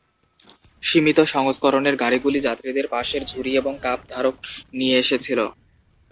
সীমিত সংস্করণের গাড়িগুলি যাত্রীদের পাশের ঝুড়ি এবং কাপ ধারক নিয়ে এসেছিল।